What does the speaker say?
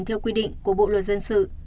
theo quy định của bộ luật dân sự